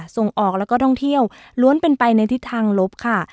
ส่งออกแล้วก็ท่องเที่ยวล้วนเป็นไปในทิศทางลบค่ะ